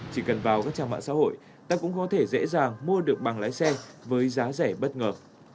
chỉ cần vào các trang mạng xã hội ta cũng có thể dễ dàng mua được bằng lái xe với giá rẻ bất ngờ